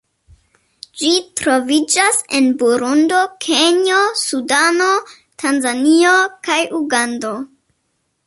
Ĝi troviĝas en Burundo, Kenjo, Sudano, Tanzanio kaj Ugando.